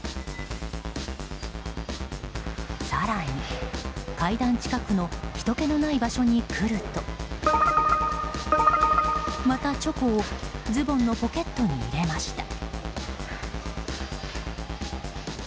更に、階段近くのひとけのない場所に来るとまたチョコをズボンのポケットに入れました。